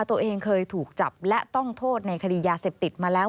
ตัวเองเคยถูกจับและต้องโทษในคดียาเสพติดมาแล้ว